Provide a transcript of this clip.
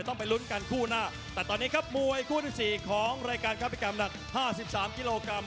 ตอนนี้ครับมวยคู่ที่๔ของรายการครับพี่กำหนัก๕๓กิโลกรัม